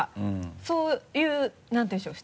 そういう何て言うんでしょう？